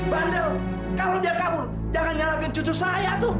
bandel kalau dia kabur jangan nyalahkan cucu saya